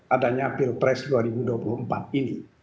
adanya pilpres dua ribu dua puluh empat ini